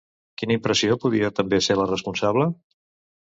Quina impressió podia també ser la responsable?